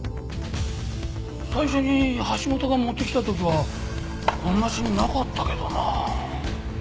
最初に橋本が持ってきた時はこんなシミなかったけどなあ。